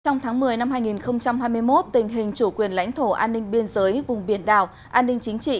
trong tháng một mươi năm hai nghìn hai mươi một tình hình chủ quyền lãnh thổ an ninh biên giới vùng biển đảo an ninh chính trị